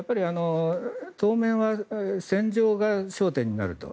当面は戦場が焦点になると。